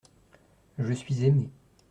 Je suis aimé.